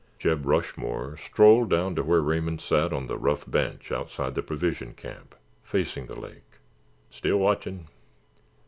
Jeb Rushmore strolled down to where Raymond sat on the rough bench outside the provision cabin, facing the lake. "Still watchin'?